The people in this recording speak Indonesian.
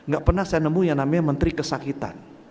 gak pernah saya nemu yang namanya menteri kesakitan